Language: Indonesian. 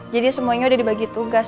jadi semuanya udah dibagi tugas